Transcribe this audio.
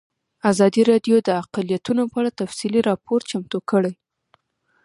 ازادي راډیو د اقلیتونه په اړه تفصیلي راپور چمتو کړی.